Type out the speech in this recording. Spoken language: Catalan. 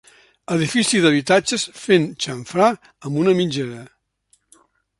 Edifici d'habitatges fent xamfrà amb una mitgera.